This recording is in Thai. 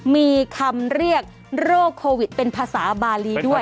มีคำเรียกโรคโควิดเป็นภาษาบาลีด้วย